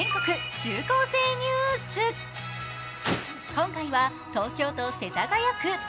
今回は東京都世田谷区。